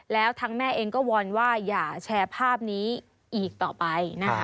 แล้วทั้งแม่เองก็วอนว่าอย่าแชร์ภาพนี้อีกต่อไปนะคะ